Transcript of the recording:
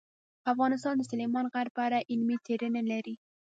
افغانستان د سلیمان غر په اړه علمي څېړنې لري.